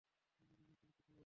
জানি না কোথায় ওরা।